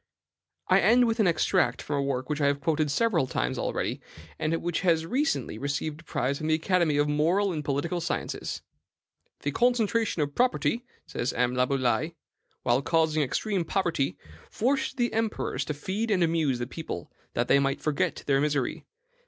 I end with an extract from a work which I have quoted several times already, and which has recently received a prize from the Academy of Moral and Political Sciences: "The concentration of property," says M. Laboulaye, "while causing extreme poverty, forced the emperors to feed and amuse the people, that they might forget their misery.